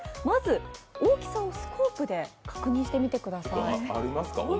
まず大きさをスコープで確認してみてください。